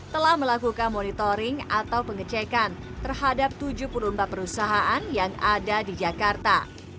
telah melakukan monitoring atau pengecekan terhadap tujuh puluh empat perusahaan yang ada di jakarta